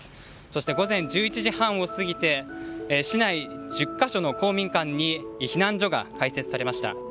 そして、午前１１時半を過ぎて、市内１０か所の公民館に避難所が開設されました。